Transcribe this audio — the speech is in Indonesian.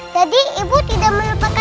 jadi ibu tidak melupakan aku